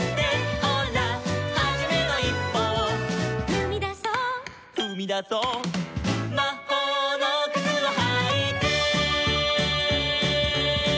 「ほらはじめのいっぽを」「ふみだそう」「ふみだそう」「まほうのくつをはいて」